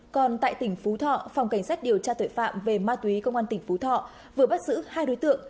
còn tại tỉnh phú thọ phòng cảnh sát điều tra tội phạm về ma túy công an tỉnh phú thọ vừa bắt giữ hai đối tượng